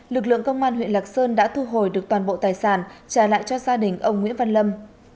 lực lượng công an huyện lạc sơn đã thu hồi được toàn bộ tài sản trả lại cho gia đình ông nguyễn văn lâm